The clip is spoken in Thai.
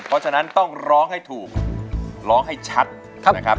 เพราะฉะนั้นต้องร้องให้ถูกร้องให้ชัดนะครับ